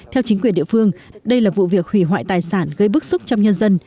theo chính quyền địa phương đây là vụ việc hủy hoại tài sản gây bức xúc trong nhân dân